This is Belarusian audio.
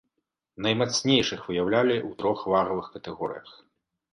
Наймацнейшых выяўлялі ў трох вагавых катэгорыях.